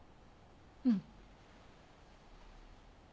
うん。